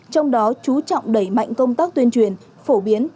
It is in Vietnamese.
trong đó chú trọng đẩy mạnh công tác tuyên truyền phổ biến